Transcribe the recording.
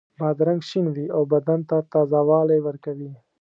بادرنګ شین وي او بدن ته تازه والی ورکوي.